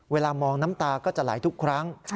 เวลามองน้ำตาก็จะไหลทุกครั้ง